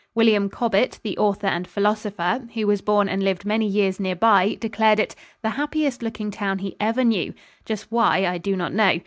William Cobbett, the author and philosopher, who was born and lived many years near by, declared it "the happiest looking town he ever knew" just why, I do not know.